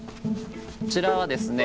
こちらはですね